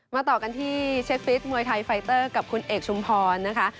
ต่อกันที่เชฟฟิศมวยไทยไฟเตอร์กับคุณเอกชุมพรนะคะ